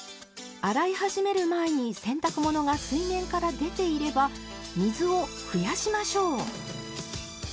洗い始める前に洗濯物が水面から出ていれば水を増やしましょう。